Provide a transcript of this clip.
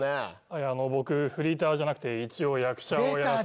いや僕フリーターじゃなくて一応役者をやらせてもらって。